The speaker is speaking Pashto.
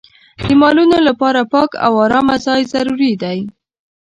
د مالونو لپاره پاک او ارامه ځای ضروري دی.